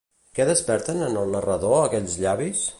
Què desperten en el narrador, aquells llavis?